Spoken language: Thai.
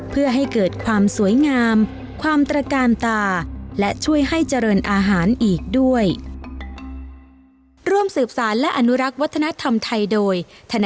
เพื่อให้เกิดความสวยงามความตระกาลตาและช่วยให้เจริญอาหารอีกด้วย